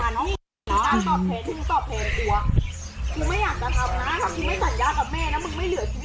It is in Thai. นี่หล่อม้า